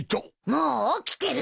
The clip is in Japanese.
もう起きてるよ。